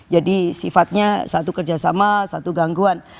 jadi sifatnya satu kerjasama satu gangguan